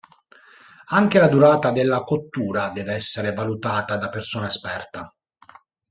Anche la durata della cottura deve essere valutata da persona esperta.